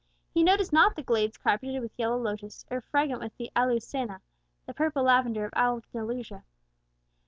He noticed not the glades carpeted with yellow lotus, or fragrant with the alhuçena, the purple lavender of Andalusia.